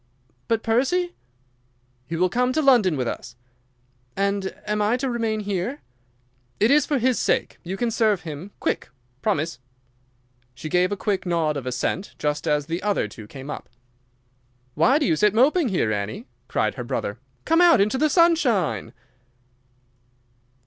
"But Percy?" "He will come to London with us." "And am I to remain here?" "It is for his sake. You can serve him. Quick! Promise!" She gave a quick nod of assent just as the other two came up. "Why do you sit moping there, Annie?" cried her brother. "Come out into the sunshine!"